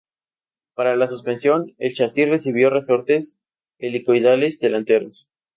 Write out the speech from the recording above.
Para la suspensión, el chasis recibió resortes helicoidales delanteros.